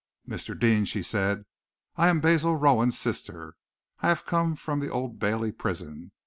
"Mr. Deane," she said, "I am Basil Rowan's sister. I have come from the Old Bailey prison.